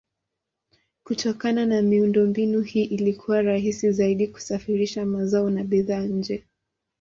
Kutokana na miundombinu hii ilikuwa rahisi zaidi kusafirisha mazao na bidhaa nje.